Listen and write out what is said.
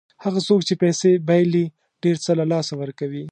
هغه څوک چې پیسې بایلي ډېر څه له لاسه ورکوي.